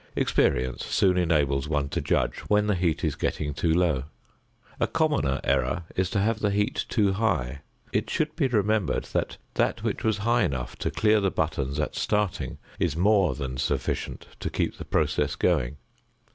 Experience soon enables one to judge when the heat is getting too low. A commoner error is to have the heat too high: it should be remembered that that which was high enough to clear the buttons at starting is more than sufficient to keep the process going.